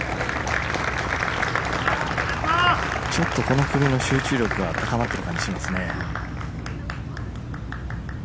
ちょっとこの組の集中力が高まってきた感じがしますね。